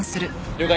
了解！